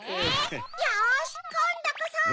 よしっこんどこそ！